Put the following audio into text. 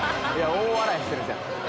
大笑いしてるじゃん。